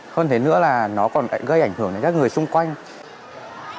hơn thế nữa là nó còn gây ảnh hưởng đến các người xung quanh